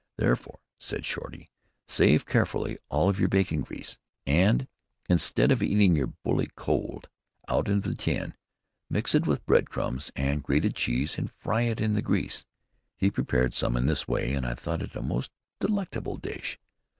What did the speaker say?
Therefore, said Shorty, save carefully all of your bacon grease, and instead of eating your "bully" cold out of the tin, mix it with bread crumbs and grated cheese and fry it in the grease. He prepared some in this way, and I thought it a most delectable dish.